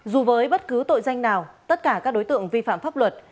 dù với bất cứ tội danh nào tất cả các đối tượng vi phạm pháp luật